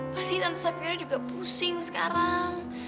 pasti tante safirnya juga pusing sekarang